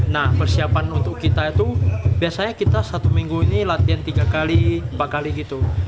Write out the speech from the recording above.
nah persiapan untuk kita itu biasanya kita satu minggu ini latihan tiga kali empat kali gitu